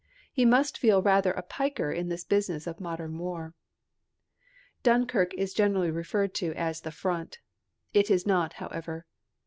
He must feel rather a piker in this business of modern war. Dunkirk is generally referred to as the "front." It is not, however.